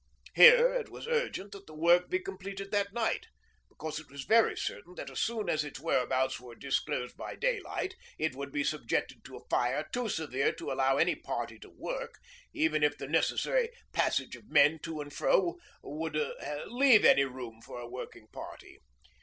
Here it was urgent that the work be completed that night, because it was very certain that as soon as its whereabouts was disclosed by daylight it would be subjected to a fire too severe to allow any party to work, even if the necessary passage of men to and fro would leave any room for a working party.